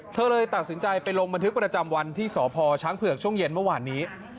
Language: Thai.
เธอเลยตัดสินใจไปลงบันทึกประจำวันที่สพช้างเผือกช่วงเย็นเมื่อวานนี้